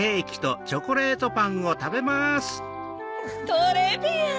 トレビアン！